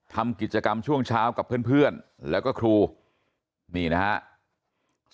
ทำกิจกรรมช่วงเช้ากับเพื่อนแล้วก็ครูนี่นะครับ